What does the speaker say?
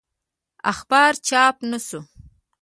اخبار چاپ نه شو.